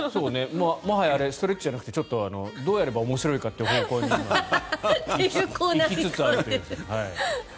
もはやあれストレッチじゃなくてどうやれば面白いかっていう方向に行きつつあるっていう。